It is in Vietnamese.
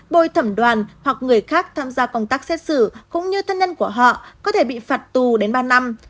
bôi thẩm đoàn hoặc người khác tham gia công tác xét xử cũng như thân nhân của họ có thể bị phạt tù đến ba năm